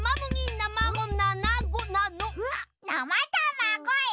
なまたまごよ。